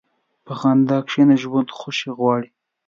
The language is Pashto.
په خندا کښېنه، ژوند خوښي غواړي.